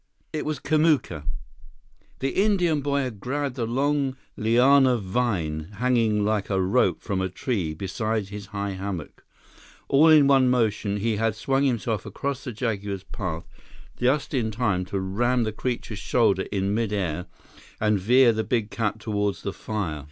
It was Kamuka. The Indian boy had grabbed a long liana vine hanging like a rope from a tree beside his high hammock. All in one motion, he had swung himself across the jaguar's path just in time to ram the creature's shoulder in mid air and veer the big cat toward the fire.